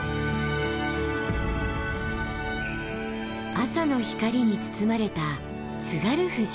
朝の光に包まれた津軽富士。